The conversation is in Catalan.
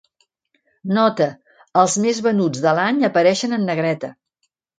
Nota: els més venuts de l'any apareixen en negreta.